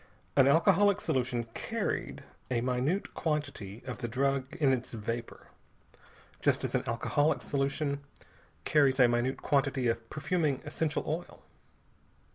An alcoholic solution "carried" a minute quantity of the drug in its vapor, just as an alcoholic solution carries a minute quantity of perfuming essential oil.